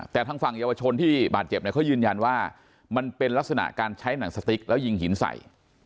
แต่ทางฝั่งเยาวชนที่บาดเจ็บเนี่ยเขายืนยันว่ามันเป็นลักษณะการใช้หนังสติ๊กแล้วยิงหินใส่